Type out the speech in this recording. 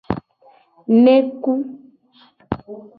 Neku.